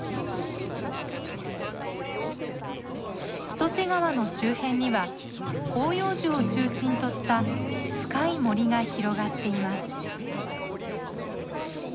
千歳川の周辺には広葉樹を中心とした深い森が広がっています。